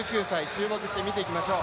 注目してみていきましょう。